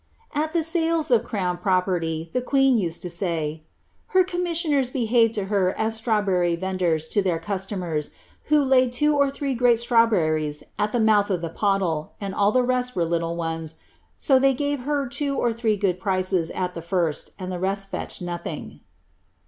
'"' At ihc sales of crown properly, the rjueen used lo say, "her commif Btoners behaved lo her as strawberry venders to (heir customers, who laid Iwo or three greal slrawbErries al the mouth of ihe pollle. and all the rest were liiile ones, so they gave her two or three good prices at ihe first, and the rest felched nothing."